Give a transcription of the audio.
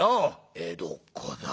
「江戸っ子だ。